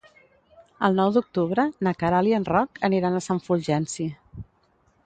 El nou d'octubre na Queralt i en Roc aniran a Sant Fulgenci.